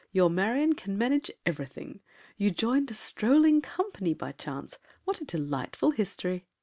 Your Marion can manage everything! You joined a strolling company by chance; What a delightful history!